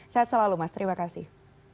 sehat selalu mas terima kasih